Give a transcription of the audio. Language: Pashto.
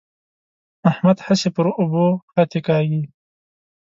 احمد هسې پر اوبو خطې کاږي.